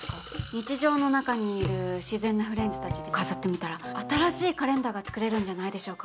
日常の中にいる自然なフレンズたちで飾ってみたら新しいカレンダーが作れるんじゃないでしょうか。